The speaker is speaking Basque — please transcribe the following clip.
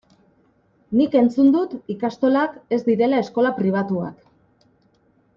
Nik entzun dut ikastolak ez direla eskola pribatuak.